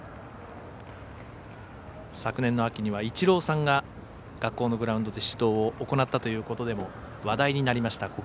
昨年の秋にはイチローさんが学校のグラウンドで指導を行ったということでも話題になりました。